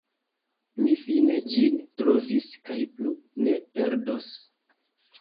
Mi fine ĝin trovis kaj plu ne perdos!